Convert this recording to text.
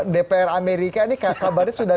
dpr amerika ini kabarnya sudah